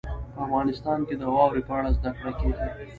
په افغانستان کې د واورې په اړه زده کړه کېږي.